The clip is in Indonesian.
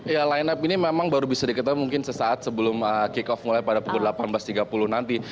ya line up ini memang baru bisa diketahui mungkin sesaat sebelum kick off mulai pada pukul delapan belas tiga puluh nanti